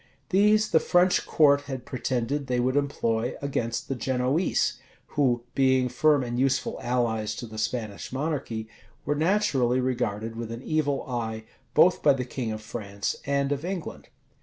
These the French court had pretended they would employ against the Genoese, who, being firm and useful allies to the Spanish monarchy, were naturally regarded with an evil eye, both by the king of France and of England.